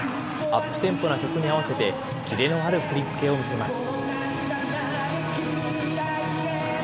アップテンポな曲に合わせて、キレのある振り付けを見せます。